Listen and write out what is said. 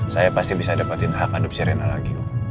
saya pasti bisa dapetin hak hadap si reina lagi